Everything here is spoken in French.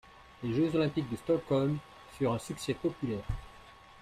Les Jeux olympiques de Stockholm furent un succès populaire.